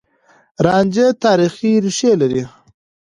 رانجه تاريخي ريښې لري.